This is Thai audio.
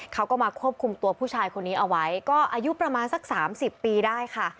เขาก็มาควบคุมตัวผู้ชายคนนี้เอาไว้ก็อายุประมาณสัก๓๐ปีได้ค่ะ